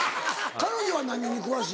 彼女は何に詳しいの？